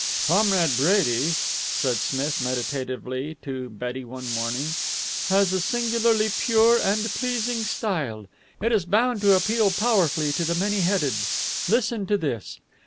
"Comrade Brady," said Smith meditatively to Betty one morning, "has a singularly pure and pleasing style. It is bound to appeal powerfully to the many headed. Listen to this.